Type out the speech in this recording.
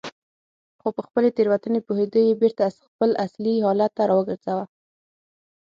خو په خپلې تېروتنې پوهېدو یې بېرته خپل اصلي حالت ته راوګرځاوه.